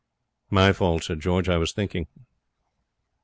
'My fault,' said George; 'I was thinking.'